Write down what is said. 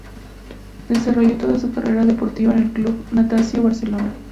Desarrolló toda su carrera deportiva en el Club Natació Barcelona.